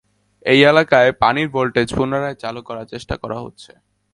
এই এলাকায় পানির ভোল্টেজ পুনরায় চালু করার চেষ্টা করা হচ্ছে।